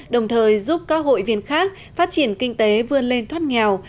đồng thời giúp các hội viên khác phát triển kinh tế vươn lên thoát nghèo